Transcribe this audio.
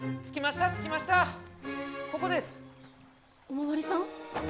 お巡りさん？